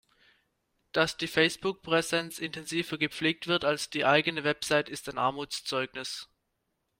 Dass die Facebook-Präsenz intensiver gepflegt wird als die eigene Website, ist ein Armutszeugnis.